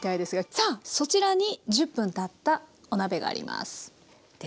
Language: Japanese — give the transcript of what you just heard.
さあそちらに１０分たったお鍋があります。